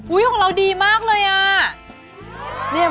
อุ๊ยของเราดีมากเลยอะ